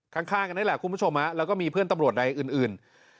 ข้างกันนี่แหละคุณผู้ชมแล้วก็มีเพื่อนตำรวจใดอื่น